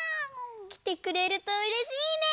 きてくれるとうれしいね！